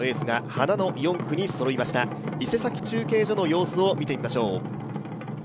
伊勢崎中継所の様子を見てみましょう。